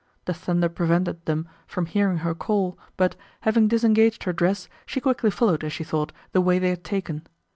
The thunder prevented them from hearing her call but, having disengaged her dress, she quickly followed, as she thought, the way they had taken.